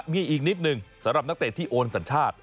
มีอีกนิดหนึ่งสำหรับนักเตะที่โอนสัญชาติ